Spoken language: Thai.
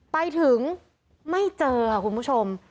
ไปถึงไม่เจอค่ะคุณผู้ชม